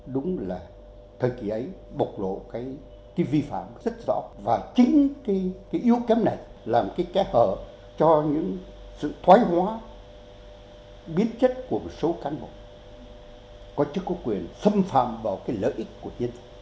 đúng là thời kỳ ấy bộc lộ cái vi phạm rất rõ và chính cái yếu kém này là một cái kẽ hở cho những sự thoái hóa biến chất của một số cán bộ có chức có quyền xâm phạm vào cái lợi ích của nhân dân